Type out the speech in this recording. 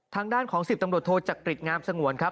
ทางด้านของ๑๐ตำรวจโทจักริจงามสงวนครับ